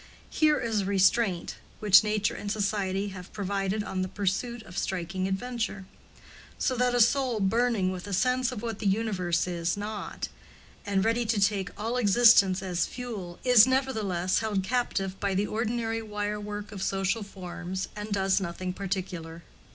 Here is a restraint which nature and society have provided on the pursuit of striking adventure; so that a soul burning with a sense of what the universe is not, and ready to take all existence as fuel, is nevertheless held captive by the ordinary wirework of social forms and does nothing particular.